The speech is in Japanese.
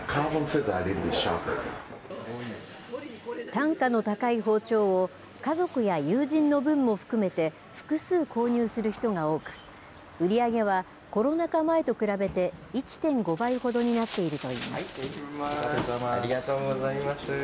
単価の高い包丁を、家族や友人の分も含めて、複数購入する人が多く、売り上げはコロナ禍前と比べて１．５倍ほどになっているといいます。